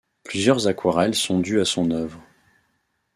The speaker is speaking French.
Plusieurs aquarelles sont dues à son œuvre.